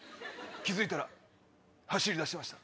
気付いたら走りだしてました。